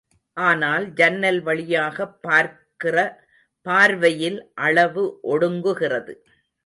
ஆனால் ஜன்னல் வழியாகப் பார்க்கிற பார்வையில் அளவு ஒடுங்குகிறது.